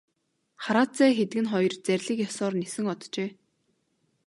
Хараацай хэдгэнэ хоёр зарлиг ёсоор нисэн оджээ.